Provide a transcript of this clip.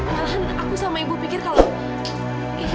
malahan aku sama ibu pikir kalau